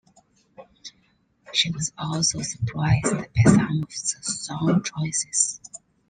She was also surprised by some of the song choices.